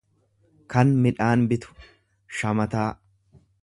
kan midhaan bitu, shamataa.